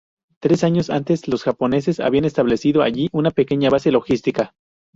Tres años antes, los japoneses habían establecido allí una pequeña base logística.